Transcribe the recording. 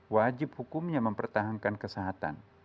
wajib hukumnya mempertahankan kesehatan